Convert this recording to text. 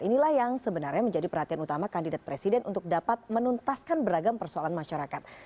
inilah yang sebenarnya menjadi perhatian utama kandidat presiden untuk dapat menuntaskan beragam persoalan masyarakat